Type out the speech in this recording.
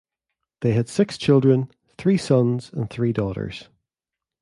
They had six children: three sons and three daughters.